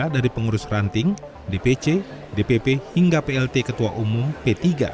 dari pengurus ranting dpc dpp hingga plt ketua umum p tiga